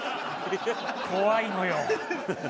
怖いのよ。